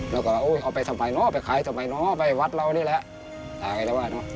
แล้วก็เอาไปทำไมเนอะเอาไปขายทำไมเนอะเอาไปวัดเรานี่แหละ